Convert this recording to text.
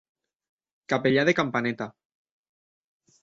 Capellà de campaneta.